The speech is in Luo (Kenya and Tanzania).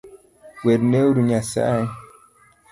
Werne uru nyasae